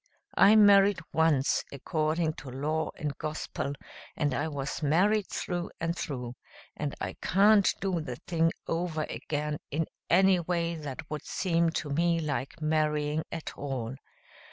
I married once according to law and gospel and I was married through and through, and I can't do the thing over again in any way that would seem to me like marrying at all.